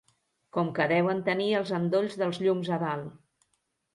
Com que deuen tenir els endolls dels llums a dalt!